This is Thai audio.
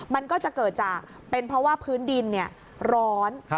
มันก็จะเกิดจากเป็นเพราะว่าพื้นดินร้อน